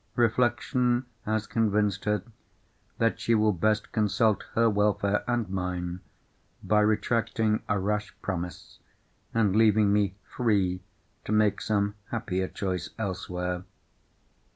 Reflection has convinced her that she will best consult her welfare and mine by retracting a rash promise, and leaving me free to make some happier choice elsewhere.